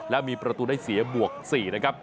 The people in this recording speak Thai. และมีประตูได้เสียบวก๔นะครับ